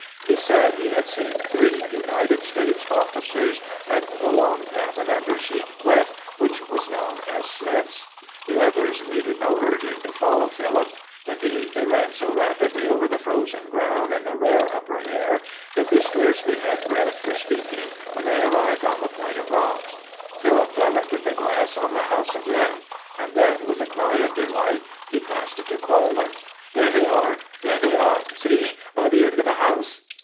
He said he had seen three United States officers at the long cabin under Sheep Cliff, which was known as Smith's. The others needed no urging to follow Philip. Indeed, they ran so rapidly over the frozen ground in the rare upper air that they scarcely had breath for speaking when they arrived on the point of rocks. Philip directed the glass on the house again, and then, with a cry of delight, he passed it to Coleman. "There they are! There they are! See? By the end of the house!"